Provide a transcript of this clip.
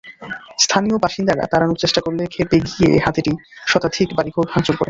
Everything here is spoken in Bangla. স্থানীয় বাসিন্দারা তাড়ানোর চেষ্টা করলে খেপে গিয়ে হাতিটি শতাধিক বাড়িঘর ভাংচুর করে।